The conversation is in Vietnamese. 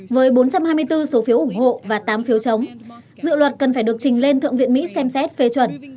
với bốn trăm hai mươi bốn số phiếu ủng hộ và tám phiếu chống dự luật cần phải được trình lên thượng viện mỹ xem xét phê chuẩn